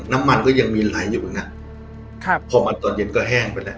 น้ำมันก็ยังมีไหลอยู่เหมือนกันครับพอมันตอนเย็นก็แห้งไปแล้ว